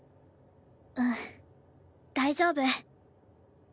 うん大丈夫。